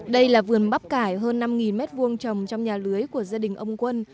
đây là vườn bắp cải hơn năm mét vuông trồng trong nhà lưới của gia đình ông quân